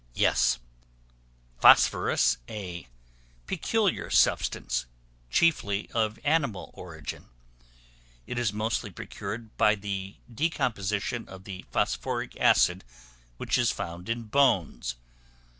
Yes: Phosphorus, a peculiar substance, chiefly of animal origin. It is mostly procured by the decomposition of the phosphoric acid which is found in bones.